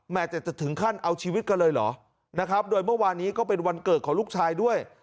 จะถึงขั้นเอาชีวิตกันเลยเหรอนะครับโดยเมื่อวานนี้ก็เป็นวันเกิดของลูกชายด้วย